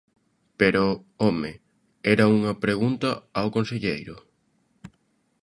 Pero, home, ¿era unha pregunta ao conselleiro?